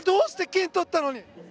金取ったのに！